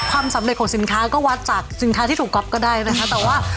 ความสำเร็จของสินค้าก็วัดจากสินค้าที่ถูกก๊อปก็ได้นะคะแต่ว่า